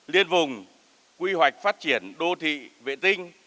liên vùng quy hoạch phát triển đô thị vệ tinh